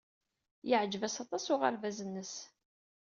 Yeɛjeb-as aṭas uɣerbaz-nnes.